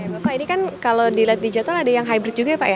bapak ini kan kalau dilihat di jadwal ada yang hybrid juga ya pak ya